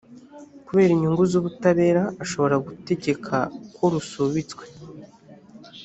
kubera inyungu z’ubutabera ashobora gutegeka ko rusubitswe